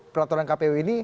peraturan kpu ini